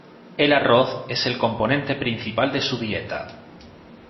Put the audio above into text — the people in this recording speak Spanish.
El arroz es el componente principal de su dieta.